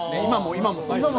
今もそうですよ